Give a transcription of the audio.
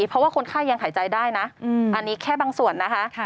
เพราะว่าคนไข้ยังหายใจได้นะอันนี้แค่บางส่วนนะคะ